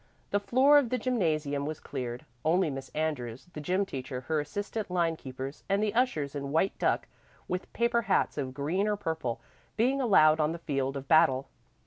The floor of the gymnasium was cleared, only Miss Andrews, the gym teacher, her assistant line keepers and the ushers in white duck, with paper hats of green or purple, being allowed on the field of battle.